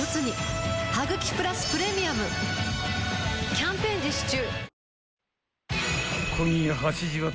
キャンペーン実施中